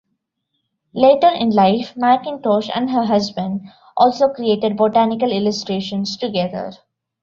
Later in life, Mackintosh and her husband also created botanical illustrations together.